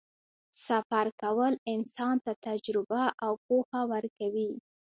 سفر کول انسان ته تجربه او پوهه ورکوي.